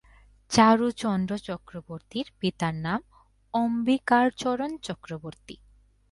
চারুচন্দ্র চক্রবর্তীর পিতার নাম অম্বিকাচরণ চক্রবর্তী।